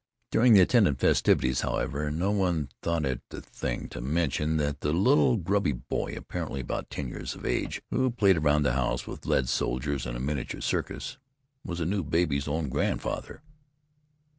During the attendant festivities, however, no one thought it "the thing" to mention, that the little grubby boy, apparently about ten years of age who played around the house with lead soldiers and a miniature circus, was the new baby's own grandfather.